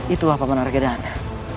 itu lah pemanah arga dana